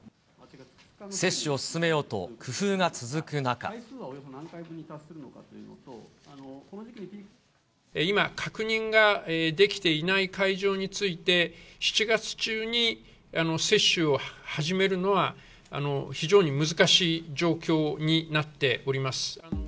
接種を進めようと、工夫が続今、確認ができていない会場について、７月中に接種を始めるのは非常に難しい状況になっております。